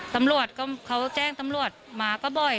ตำรวจเขาแจ้งตำรวจมาก็บ่อย